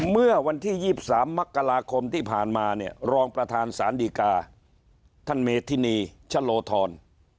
เมื่อวันที่๒๓มกราคมที่ผ่านมาเนี่ยรองประธานสารดีกาท่านเมธินีชะโลธร